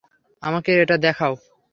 আমাকে এটা দেখাও।